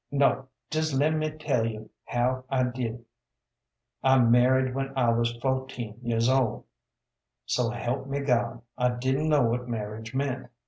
No jes' lem me tell you how I did I married when I wuz 14 years old. So help me God, I didn't know what marriage meant.